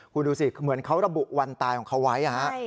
คุณดูสิเหมือนเขาระบุวันตายของเขาไว้